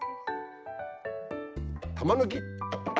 玉抜き。